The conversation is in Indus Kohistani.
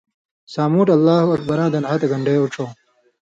سامُوٹھ اللہ اکبراں دَن ہَتہۡ کنڑے اُوڇھُؤں